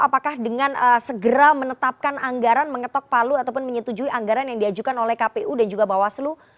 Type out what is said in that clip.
apakah dengan segera menetapkan anggaran mengetok palu ataupun menyetujui anggaran yang diajukan oleh kpu dan juga bawaslu